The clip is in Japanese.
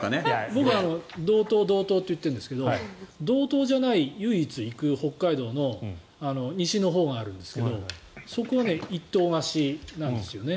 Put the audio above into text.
僕は道東と言っているんですが道東じゃない、唯一行く北海道の西のほうがあるんですがそこは一棟貸しなんですよね。